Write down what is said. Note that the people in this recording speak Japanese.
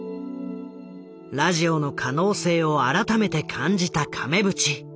ラジオの可能性を改めて感じた亀渕。